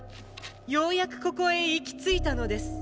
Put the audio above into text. ようやくここへ行き着いたのです。